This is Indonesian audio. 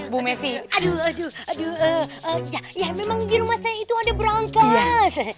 bu messi aduh aduh aduh ya memang di rumah saya itu ada broncos